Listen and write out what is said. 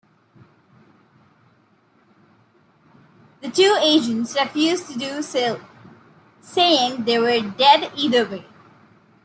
The two agents refused to do so, saying they were dead either way.